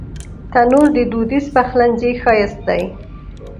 تنور د دودیز پخلنځي ښایست دی